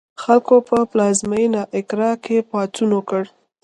خلکو په پلازمېنه اکرا کې پاڅون وکړ.